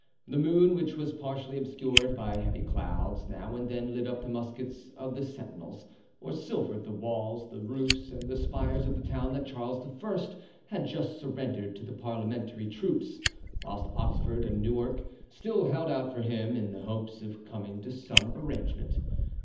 The moon, which was partially obscured by heavy clouds, now and then lit up the muskets of the sentinels, or silvered the walls, the roofs, and the spires of the town that Charles I. had just surrendered to the parliamentary troops, whilst Oxford and Newark still held out for him in the hopes of coming to some arrangement.